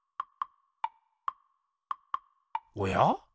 おや？